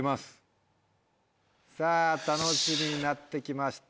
さぁ楽しみになって来ました